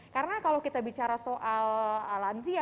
karena kalau kita bicara soal lansia